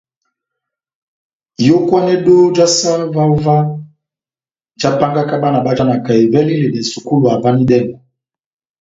Iyókwanedo já saha óvah jahápángaka bána bájanaka evɛlɛ yá iledɛ sukulu havanidɛngo.